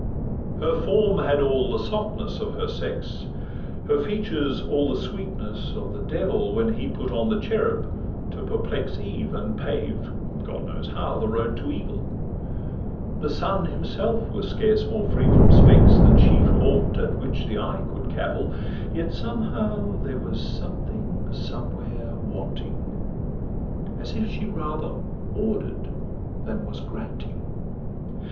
Her form had all the softness of her sex, Her features all the sweetness of the devil, When he put on the cherub to perplex Eve, and paved (God knows how) the road to evil; The sun himself was scarce more free from specks Than she from aught at which the eye could cavil; Yet, somehow, there was something somewhere wanting, As if she rather order'd than was granting.